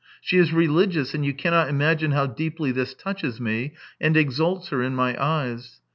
She is religious, and you cannot imagine how deeply this touches me and exalts her in my eyes.